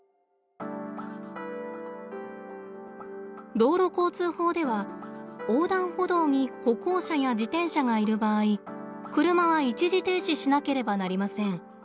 道路交通法では横断歩道に歩行者や自転車がいる場合車は一時停止しなければなりません。